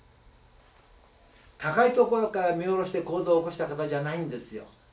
高いところから見下ろして行動を起こした方じゃないんですよ。